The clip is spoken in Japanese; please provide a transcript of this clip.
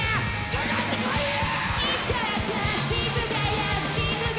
かかってこいや！